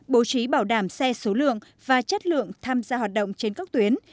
bố trí bảo đảm xe số lượng và chất lượng tham gia hoạt động trên các tuyến